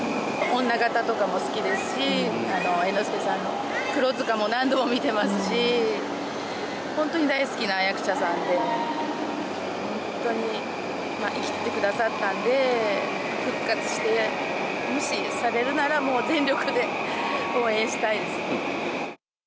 女形とかも好きですし、猿之助さんの黒塚も何度も見てますし、本当に大好きな役者さんでね、本当に、生きててくださったんで、復活して、もしされるなら、もう全力で応援したいですね。